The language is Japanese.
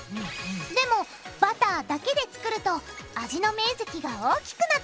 でもバターだけで作ると味の面積が大きくなった。